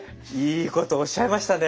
いいことおっしゃいましたね。